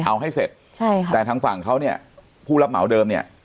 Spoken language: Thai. เอาให้เสร็จใช่ค่ะแต่ทางฝั่งเขาเนี่ยผู้รับเหมาเดิมเนี่ย